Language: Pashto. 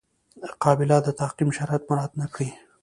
قابله د تعقیم شرایط مراعات نه کړي.